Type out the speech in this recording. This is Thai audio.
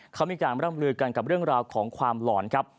เขามีการร่ำลือกันกับเรื่องราวของความหลอนครับ